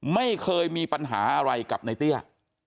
ไม่เคยมีปัญหาอะไรกับในเตี้ย